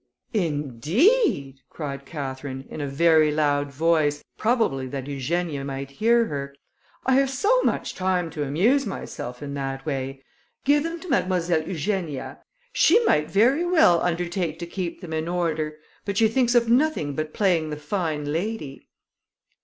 "Indeed," cried Catherine, in a very loud voice, probably that Eugenia might hear her, "I have so much time to amuse myself in that way! Give them to Mademoiselle Eugenia; she might very well undertake to keep them in order, but she thinks of nothing but playing the fine lady."